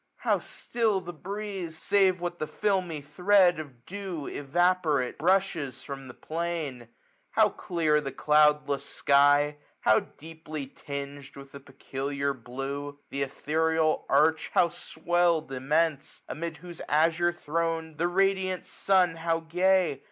How still the breeze ! save what the filmy thread Of dew evaporate brushes from the plain. 12 10 How clear the cloudless sky ! how deeply ting'd With a peculiar blue ! the ethereal arch How sweird immense ! amid whose azure thronM The radiant sun how gay